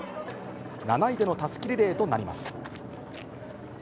７位でのたすきリレーとなります。